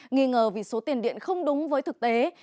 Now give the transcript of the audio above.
nghi ngờ vì số tiền điện không đúng với thực tế